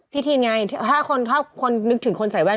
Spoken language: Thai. ทีนไงถ้าคนนึกถึงคนใส่แว่น